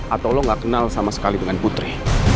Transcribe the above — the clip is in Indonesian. atau lo gak kenal sama sekali dengan putri